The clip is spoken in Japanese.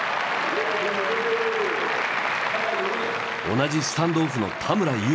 同じスタンドオフの田村優。